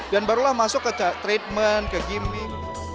dan barulah masuk ke treatment ke gaming